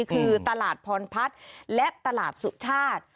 คือตลาดพรพัฒน์และตลาดสุชาติ